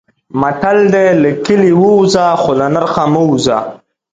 متل دی: له کلي ووځه خو له نرخه مه وځه.